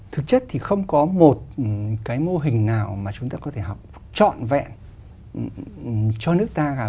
thực chất thì không có một cái mô hình nào mà chúng ta có thể học trọn vẹn cho nước ta cả